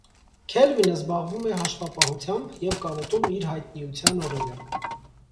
Քելվինը զբաղվում է հաշվապահությամբ և կարոտում իր հայտնիության օրերը։